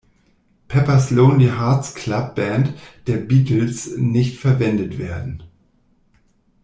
Pepper’s Lonely Hearts Club Band“ der Beatles nicht verwendet werden.